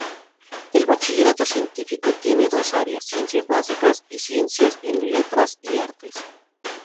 El Bachillerato Científico tiene dos áreas: Ciencias Básicas y Ciencias en Letras y Artes.